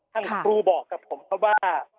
ท่านครูบอกกับผมครับว่า